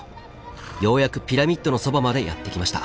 ようやくピラミッドのそばまでやって来ました。